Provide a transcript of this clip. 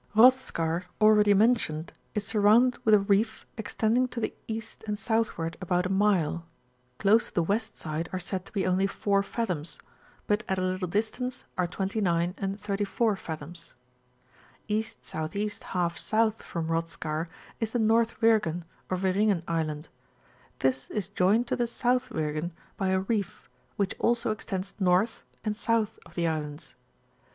ROTHSKAR, alreadjr mentioned, is surrounded with a reef extending to the east and southward about^ mile; close to the west side are said to be only 4 rathoms; but at a little distance are 29 and 34 fathoms. E.S.E. ^ S. from Rothskar is the North Wirgen or Wiringen Island: this is joined to the South Wirgen by a reef, which also extends north and south of the islands.